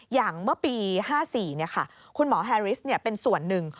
อย่างเมื่อปี๕๔คุณหมอแฮริสเป็นส่วนหนึ่ง